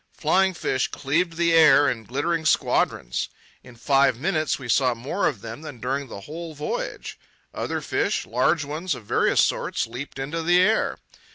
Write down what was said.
Flying fish cleaved the air in glittering squadrons. In five minutes we saw more of them than during the whole voyage. Other fish, large ones, of various sorts, leaped into the air.